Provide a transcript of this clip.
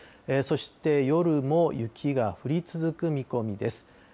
そして夜も雪が降り続く見込みです。